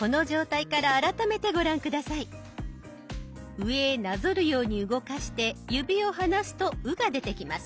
上へなぞるように動かして指を離すと「う」が出てきます。